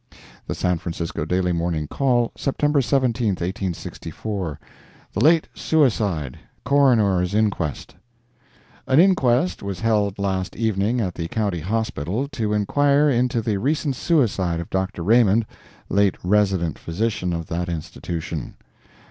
The San Francisco Daily Morning Call, September 17, 1864 THE LATE SUICIDE—CORONER'S INQUEST An inquest was held last evening at the County Hospital, to inquire into the recent suicide of Dr. Raymond, late Resident Physician of that institution.